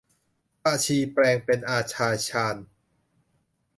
พาชีแปลงเป็นอาชาชาญ